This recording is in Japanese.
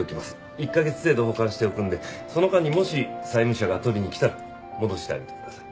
１カ月程度保管しておくのでその間にもし債務者が取りに来たら戻してあげてください。